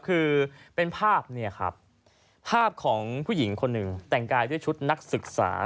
คือเป็นภาพเนี่ยครับภาพของผู้หญิงคนหนึ่งแต่งกายด้วยชุดนักศึกษา